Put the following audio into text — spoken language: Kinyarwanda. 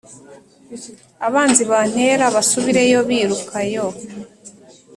abanzi bantera basubireyo biruka, yo